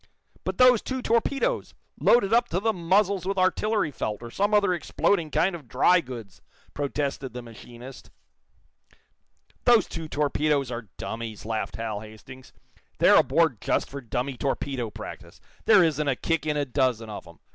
"But those two torpedoes, loaded up to the muzzles with artillery felt, or some other exploding kind of dry goods!" protested the machinist. "Those two torpedoes are dummies," laughed Hal Hastings. "They're aboard just for dummy torpedo practice. There isn't a kick in a dozen of 'em.